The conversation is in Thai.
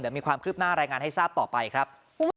เดี๋ยวมีความคืบหน้ารายงานให้ทราบต่อไปครับ